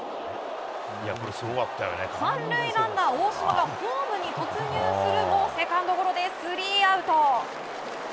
３塁ランナー大島がホームに突入するもセカンドゴロでスリーアウト。